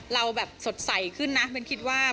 เราสดใสขึ้นนะเป็นคิดว่า